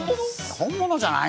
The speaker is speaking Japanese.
本物じゃない。